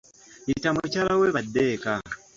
Yita mukyala we badde eka.